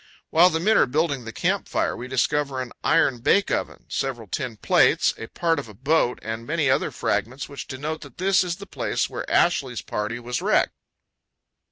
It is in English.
While the men are building the camp fire, we discover an iron bake oven, several tin plates, a part of a boat, and many other fragments, which denote that this is the place where Ashley's party was wrecked.